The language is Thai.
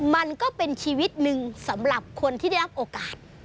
มันก็เป็นชีวิตหนึ่งสำหรับคนที่ได้รับโอกาส